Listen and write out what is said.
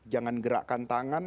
jangan gerakkan tangan